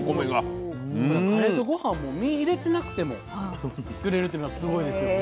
カレーと御飯も身入れてなくても作れるというのはすごいですよね。